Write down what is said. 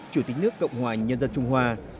chủ tịch nước cộng hòa nhân dân trung hoa